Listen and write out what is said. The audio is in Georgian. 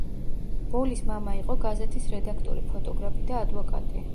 ბოლის მამა იყო გაზეთის რედაქტორი, ფოტოგრაფი და ადვოკატი.